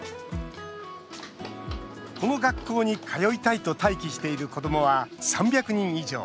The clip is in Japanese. この学校に通いたいと待機している子どもは３００人以上。